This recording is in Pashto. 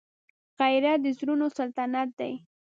غیرت د زړونو سلطنت دی